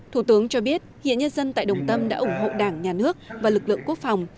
thủ tướng cho biết hiện nhân dân tại đồng tâm đã ủng hộ đảng nhà nước và lực lượng quốc phòng